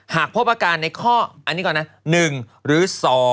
หากพบอาการในข้อ๑หรือ๒